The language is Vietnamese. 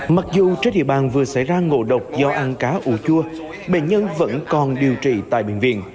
mặc dù trên địa bàn vừa xảy ra ngộ độc do ăn cá ủ chua bệnh nhân vẫn còn điều trị tại bệnh viện